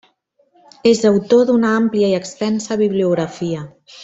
És autor d’una àmplia i extensa bibliografia.